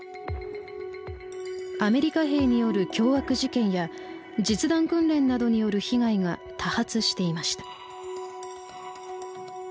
アメリカ兵による凶悪事件や実弾訓練などによる被害が多発していました。